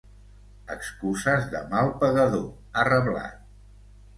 Excuses de mal pagador, ha reblat.